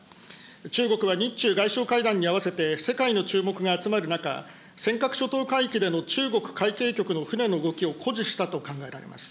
中国は日中外相会談に合わせて世界の注目が集まる中、尖閣諸島海域での中国海警局の船の動きを固辞したと考えられます。